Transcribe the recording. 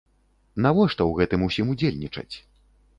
Навошта ў гэтым усім удзельнічаць?